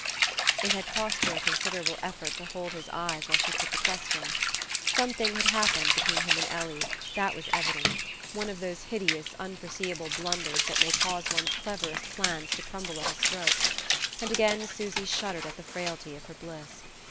It had cost her a considerable effort to hold his eyes while she put the questions. Something had happened between him and Ellie, that was evident one of those hideous unforeseeable blunders that may cause one's cleverest plans to crumble at a stroke; and again Susy shuddered at the frailty of her bliss.